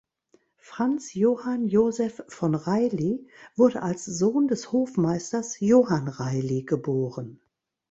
Franz Johann Joseph von Reilly wurde als Sohn des Hofmeisters Johann Reilly geboren.